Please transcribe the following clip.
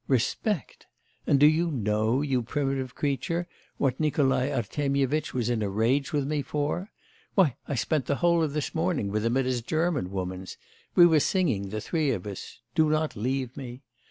Respect! And do you know, you primitive creature, what Nikolai Artemyevitch was in a rage with me for? Why I spent the whole of this morning with him at his German woman's; we were singing the three of us "Do not leave me."